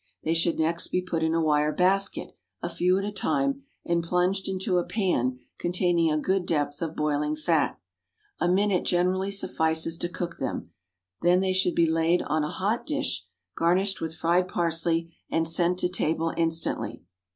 They should next be put into a wire basket, a few at a time, and plunged into a pan containing a good depth of boiling fat. A minute generally suffices to cook them, then they should be laid on a hot dish, garnished with fried parsley, and sent to table instantly.